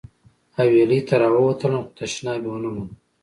حویلۍ ته راووتلم خو تشناب مې ونه موند.